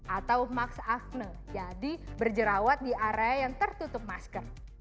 atau max afne jadi berjerawat di area yang tertutup masker